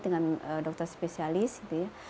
dengan dokter spesialis gitu ya